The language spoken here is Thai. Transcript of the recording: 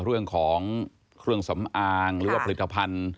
เรื่องของเครื่องสำอางหรือว่าผลิตภัณฑ์